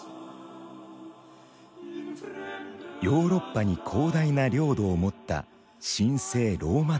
ヨーロッパに広大な領土を持った神聖ローマ帝国。